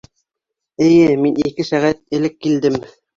Эйе, мин ике сәғәт элек килдем.